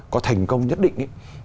có thành công nhất định